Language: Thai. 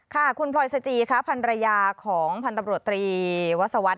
ค่ะคุณพลอยสจีครับภรรยาของพันธบรตรีวัสวัสดิ์